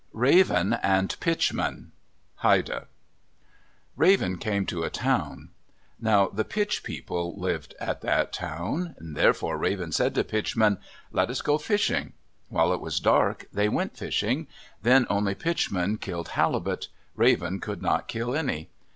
RAVEN AND PITCHMAN Haida Raven came to a town. Now the Pitch People lived at that town. Therefore Raven said to Pitchman, "Let us go fishing." While it was dark, they went fishing. Then only Pitchman killed halibut; Raven could not kill any.